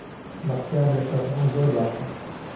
بەختیار لە شەترەنج زۆر باشە.